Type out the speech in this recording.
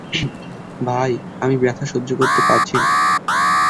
ভাই, আমি ব্যাথা সহ্য করতে পারছি না।